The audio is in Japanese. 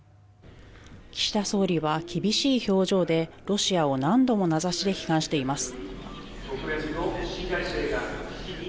岸田総理は厳しい表情でロシアを何度も名指しで批判しています。